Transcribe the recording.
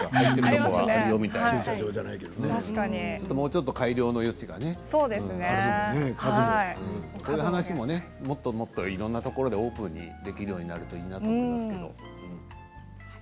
こういう話も、もっともっといろんなところでオープンにできるようになるといいなと思いますけど。